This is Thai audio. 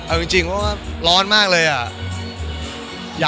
เช่นจริงเพราะร้อนมากเลย